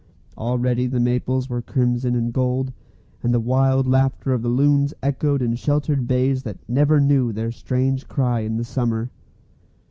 Already the maples were crimson and gold, and the wild laughter of the loons echoed in sheltered bays that never knew their strange cry in the summer.